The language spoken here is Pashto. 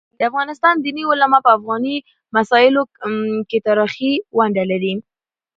د افغانستان دیني علماء په افغاني مسايلو کيتاریخي ونډه لري.